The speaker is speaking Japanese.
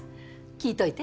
聞いといて。